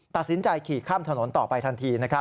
ตัดสินใจขี่ข้ามถนนต่อไปทันที